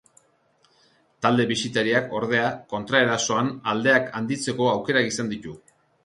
Talde bisitariak, ordea, kontraersoan aldeak handitzeko aukerak izan ditu.